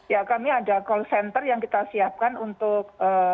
ya kami ada call center yang kita siapkan untuk